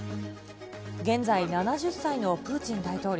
現在７０歳のプーチン大統領。